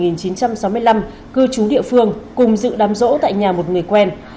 năm một nghìn chín trăm sáu mươi năm cư chú địa phương cùng dự đám rỗ tại nhà một người quen